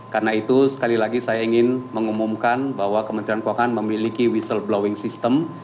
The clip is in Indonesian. karena itu sekali lagi saya ingin mengumumkan bahwa kementerian keuangan memiliki whistle blowing system